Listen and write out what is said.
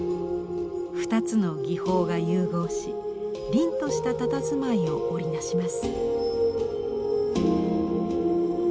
２つの技法が融合し凛としたたたずまいを織り成します。